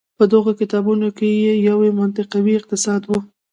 په دغو کتابونو کې یو یې منطقوي اقتصاد و.